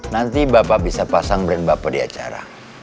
nanti bapak bisa pasang brand bapak di acara